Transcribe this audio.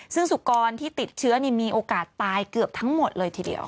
ซึ่งสุกรที่ติดเชื้อมีโอกาสตายเกือบทั้งหมดเลยทีเดียว